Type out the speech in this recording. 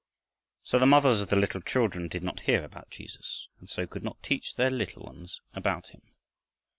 So the mothers of the little children did not hear about Jesus and so could not teach their little ones about him.